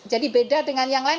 jadi beda dengan yang lain